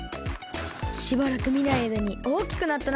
しばらくみないあいだにおおきくなったな。